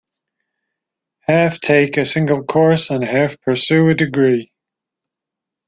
Half take a single course, and half pursue a degree.